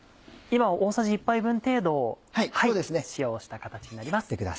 今大さじ１杯分程度塩をした形になります。